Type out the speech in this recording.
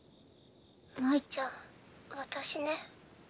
真依ちゃん私ね。